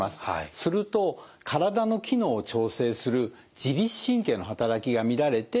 すると体の機能を調整する自律神経の働きが乱れて疲れを感じるんです。